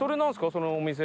そのお店。